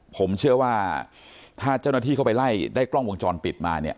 ผมเชื่อว่าถ้าเจ้าหน้าที่เข้าไปไล่ได้กล้องวงจรปิดมาเนี่ย